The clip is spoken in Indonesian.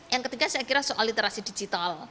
yang ketiga saya kira soal literasi digital